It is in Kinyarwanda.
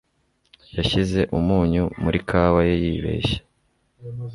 Yashyize umunyu muri kawa ye yibeshya.